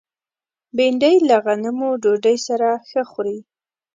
بېنډۍ له غنمو ډوډۍ سره ښه خوري